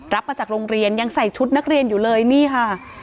รับมาจากโรงเรียนยังใส่ชุดนักเรียนอยู่เลยนี่ค่ะ